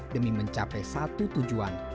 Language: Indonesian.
demi mencapai satu tujuan